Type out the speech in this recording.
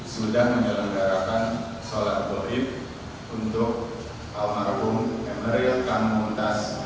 sudah menjalankan solat bohid untuk almarhum mrf dan umtas